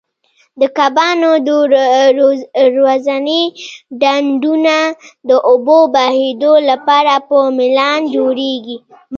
د کبانو د روزنې ډنډونه د اوبو بهېدو لپاره په میلان جوړیږي.